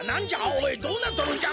おいどうなっとるんじゃ？